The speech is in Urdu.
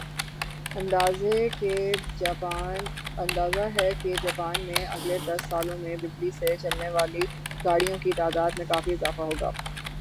اندازہ ھے کہ جاپان میں اگلے دس سالوں میں بجلی سے چلنے والی گاڑیوں کی تعداد میں کافی اضافہ ہو گا